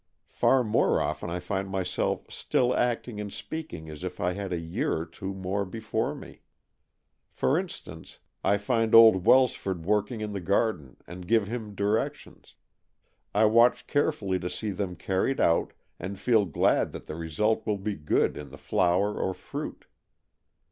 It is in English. Far more often I find myself still acting and speaking as if I had a year or more before me. For instance, I find old AN EXCHANGE OF SOULS 249 Welsford working in the garden and give him directions. I watch carefully to see them carried out, and feel glad that the result will be good in the flower or fruit.